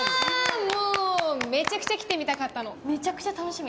もうめちゃくちゃ来てみたかったの、めちゃくちゃ楽しみ。